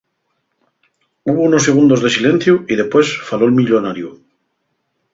Hubo unos segundos de silenciu y depués faló'l millonariu.